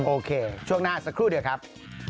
โอเคช่วงหน้าสักครู่เดียวครับ